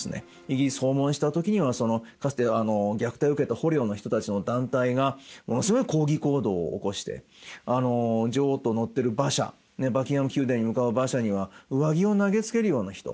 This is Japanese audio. イギリス訪問した時にはかつて虐待を受けた捕虜の人たちの団体がものすごい抗議行動を起こして女王と乗ってる馬車バッキンガム宮殿に向かう馬車には上着を投げつけるような人。